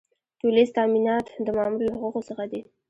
ټولیز تامینات د مامور له حقوقو څخه دي.